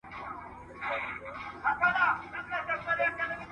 د کندهار په خاوره کې اتلان زیږیدلي دي.